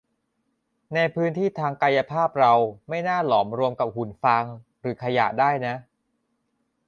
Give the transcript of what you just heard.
ในพื้นที่ทางกายภาพเราไม่น่าหลอมรวมกับหุ่นฟางหรือขยะได้นะ